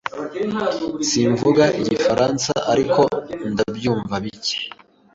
Simvuga Igifaransa, ariko ndabyumva bike.